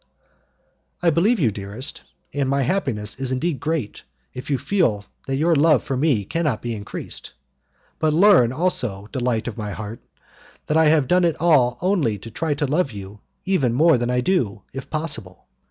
"I believe you, dearest, and my happiness is indeed great if you feel that your love for me cannot be increased. But learn also, delight of my heart, that I have done it all only to try to love you even more than I do, if possible.